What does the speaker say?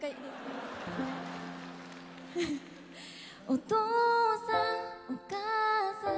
お父さんお母さん